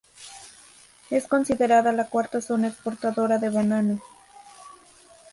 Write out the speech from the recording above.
Es considerada la cuarta zona exportadora de banano.